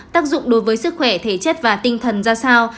tác dụng đối với sức khỏe thể chất và tinh thần ra sao